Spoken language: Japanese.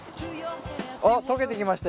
あっ溶けてきました。